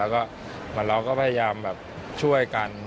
แล้วเราก็พยายามช่วยกัน